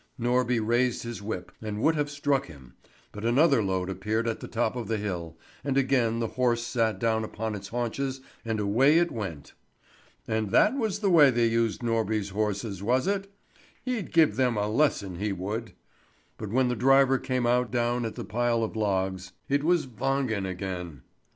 Norby raised his whip and would have struck him, but another load appeared at the top of the hill, and again the horse sat down upon its haunches and away it went. And that was the way they used Norby's horses, was it? He'd give them a lesson, he would! But when the driver came out down at the pile of logs, it was Wangen again!